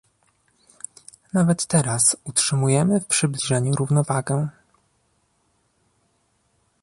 Nawet teraz utrzymujemy w przybliżeniu równowagę